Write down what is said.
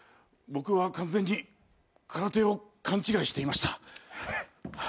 僕は完全に空手を勘違いしていました。